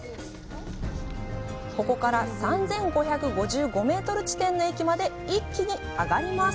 ここから３５５５メートル地点の駅まで一気に上がります。